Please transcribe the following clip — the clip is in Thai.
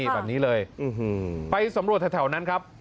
แบบนี้เลยไปสำรวจแถวนั้นครับ